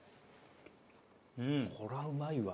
こりゃうまいわ。